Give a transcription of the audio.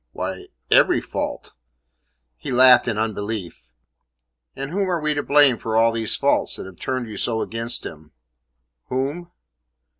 "Why, every fault." He laughed in unbelief. "And whom are we to blame for all these faults that have turned you so against him?" "Whom?"